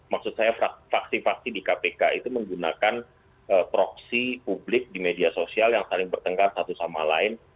maksud saya faksi faksi di kpk itu menggunakan proksi publik di media sosial yang saling bertengkar satu sama lain